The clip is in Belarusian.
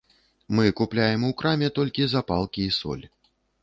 Мы купляем у краме толькі запалкі і соль.